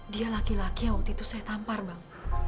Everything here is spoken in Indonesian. dia laki laki yang waktu itu saya tampar bang